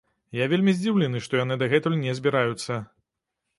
Я вельмі здзіўлены, што яны дагэтуль не збіраюцца.